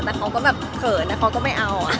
แต่เขาก็แบบเขินแต่เขาก็ไม่เอา